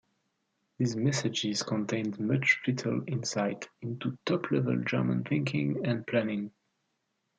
These messages contained much vital insight into top-level German thinking and planning.